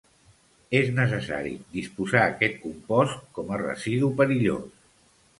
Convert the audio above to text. És necessari disposar aquest compost com a residu perillós.